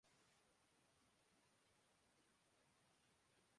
تو رحمت کے فرشتوں کا نزول ہوتا ہے۔